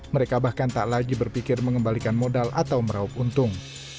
mereka bahkan tak lagi berpikir mengembalikan modal atau meraup untung